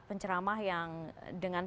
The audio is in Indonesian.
penceramah yang dengan